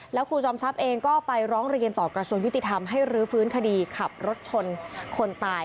แล้วครูจอมทรัพย์เองก็ไปร้องเรียนต่อกระทรวงยุติธรรมให้รื้อฟื้นคดีขับรถชนคนตาย